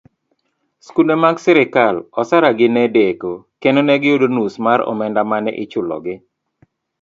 Skunde mag sirikal, osara gi nedeko, kendo negiyudo nus mar omenda mane ichulo gi.